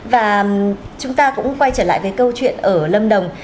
và chúng ta cũng quay trở lại cái câu chuyện ở lâm đồng